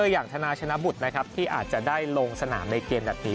อย่างธนาชนะบุตรนะครับที่อาจจะได้ลงสนามในเกมแบบนี้